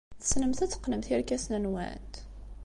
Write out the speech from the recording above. Tessnemt ad teqqnemt irkasen-nwent?